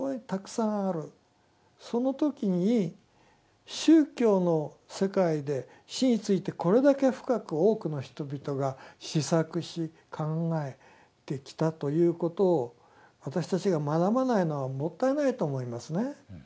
その時に宗教の世界で死についてこれだけ深く多くの人々が思索し考えてきたということを私たちが学ばないのはもったいないと思いますね。